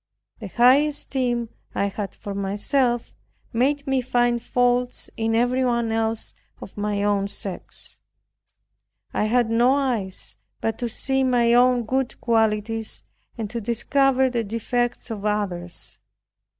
The high esteem I had for myself made me find faults in everyone else of my own sex. I had no eyes but to see my own good qualities, and to discover the defects of others.